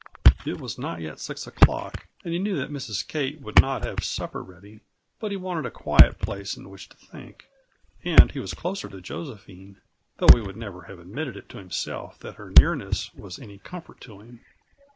It was not yet six o'clock, and he knew that Mrs. Kate would not have supper ready; but he wanted a quiet place in which to think, and he was closer to Josephine; though he would never have admitted to himself that her nearness was any comfort to him.